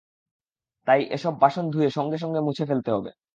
তাই এসব বাসন ধুয়ে সঙ্গে সঙ্গে মুছে ফেলতে হবে।